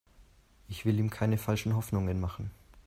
Ich will ihm keine falschen Hoffnungen machen.